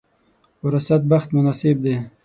وراثت بخت مناسب دی.